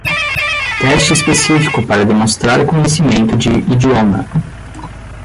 Teste específico para demonstrar conhecimento de idioma.